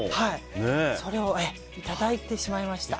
それをいただいてしまいました。